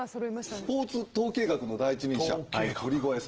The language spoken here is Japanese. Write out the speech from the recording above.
スポーツ統計学の第一人者鳥越さん。